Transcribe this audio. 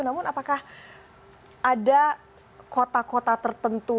namun apakah ada kota kota tertentu